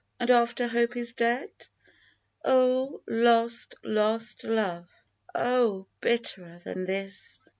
And after Hope is dead ? Oh ! lost, lost Love ! Oh ! bitterer than this.